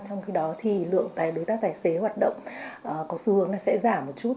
trong khi đó thì lượng đối tác tài xế hoạt động có xu hướng là sẽ giảm một chút